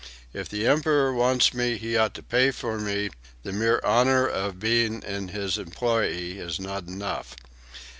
If the Emperor wants me he ought to pay for me; the mere honor of being in his employ is not enough.